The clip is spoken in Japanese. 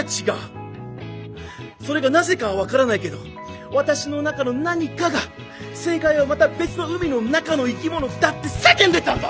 それがなぜかは分からないけど私の中の何かが正解はまた別の海の中の生き物だって叫んでたんだ！